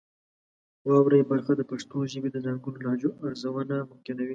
واورئ برخه د پښتو ژبې د ځانګړو لهجو ارزونه ممکنوي.